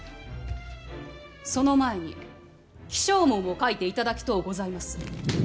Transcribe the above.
その前に起請文を書いていただきとうございます。